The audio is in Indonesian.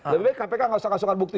lebih baik kpk nggak usah kasihkan bukti